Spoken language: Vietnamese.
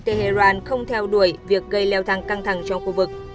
tehran không theo đuổi việc gây leo thang căng thẳng trong khu vực